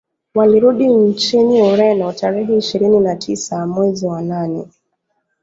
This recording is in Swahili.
Walirudi nchini Ureno Tarehe ishirini na tisa mwezi wa nane